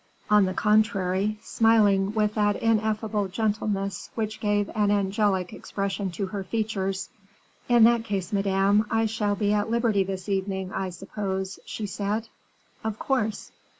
On the contrary, smiling with that ineffable gentleness which gave an angelic expression to her features "In that case, Madame, I shall be at liberty this evening, I suppose?" she said. "Of course."